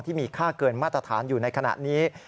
ที่มีค่าเกินมาตรฐานอยู่ในขณะนี้